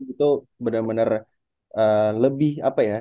itu benar benar lebih apa ya